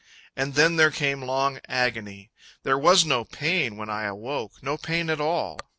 And then there came long agony. There was no pain when I awoke, No pain at all.